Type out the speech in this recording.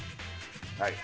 はい。